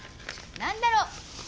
何だろう。